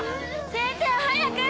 先生を早く！